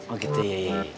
oh gitu ya